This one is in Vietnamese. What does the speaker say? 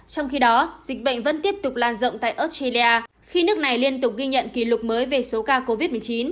trong khi đó dịch bệnh vẫn tiếp tục lan rộng tại australia khi nước này liên tục ghi nhận kỷ lục mới về số ca covid một mươi chín